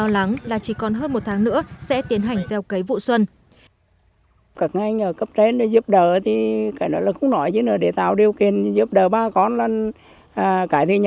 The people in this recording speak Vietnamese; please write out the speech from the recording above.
là chỉ còn hơn một tháng nữa sẽ tiến hành gieo cấy vụ xuân